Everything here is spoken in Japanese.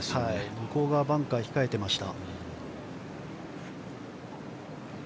向こう側にもバンカーが控えていました。